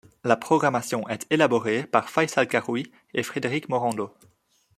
La programmation est élaborée par Fayçal Karoui et Frédéric Morando.